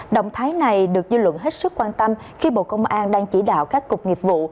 động thái này được dư luận hết sức quan tâm khi bộ công an đang chỉ đạo các cục nghiệp vụ